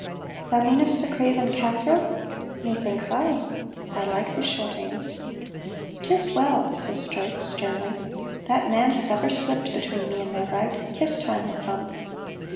"Thou meanest the craven Cathro?" "Methinks ay. (I like thae short anes.)" "'Tis well!" says Stroke, sternly. "That man hath ever slipped between me and my right. His time will come."